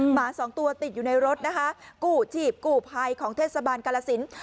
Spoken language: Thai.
หมาสองตัวติดอยู่ในรถนะคะกู้ชีพกู้ภัยของเทศบาลกาลสิน